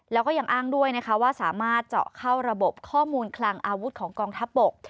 แล้วก็ยังอ้างด้วยนะคะว่าสามารถเจาะเข้าระบบข้อมูลคลังอาวุธของกองทัพบก